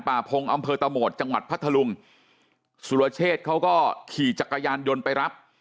พงศ์อำเภอตะโหมดจังหวัดพัทธลุงสุรเชษเขาก็ขี่จักรยานยนต์ไปรับ